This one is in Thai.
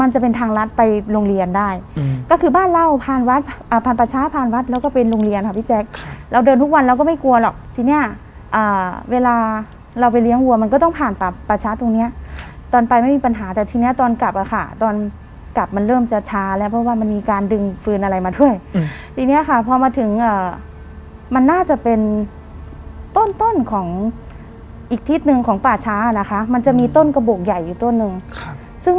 แจ๊คเราเดินทุกวันเราก็ไม่กลัวหรอกทีเนี่ยเวลาเราไปเลี้ยงวัวมันก็ต้องผ่านป่าช้าตรงเนี่ยตอนไปไม่มีปัญหาแต่ทีเนี่ยตอนกลับอะค่ะตอนกลับมันเริ่มจะช้าแล้วเพราะว่ามันมีการดึงฟืนอะไรมาด้วยทีเนี่ยค่ะพอมาถึงมันน่าจะเป็นต้นของอีกทิศนึงของป่าช้านะคะมันจะมีต้นกระโบกใหญ่อยู่ต้นนึงซึ่ง